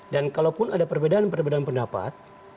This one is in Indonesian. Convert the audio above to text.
dan kalaupun ada perbedaan perbedaan pendapat